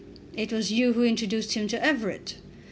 "It was you who introduced him to Everett."